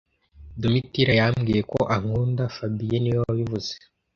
Domitira yambwiye ko ankunda fabien niwe wabivuze